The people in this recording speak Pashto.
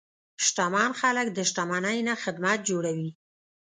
شتمن خلک د شتمنۍ نه خدمت جوړوي.